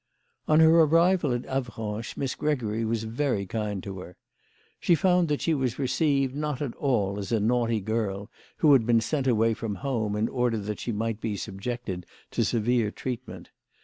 On her arrival at Avranches Miss Gregory was very kind to her. She found that she was received not at all as a naughty girl who had been sent away from home in order that she might be subjected to severe treatment.